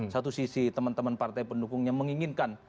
satu sisi teman teman partai pendukungnya menginginkan